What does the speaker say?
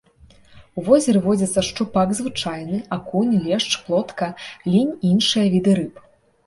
У возеры водзяцца шчупак звычайны, акунь, лешч, плотка, лінь і іншыя віды рыб.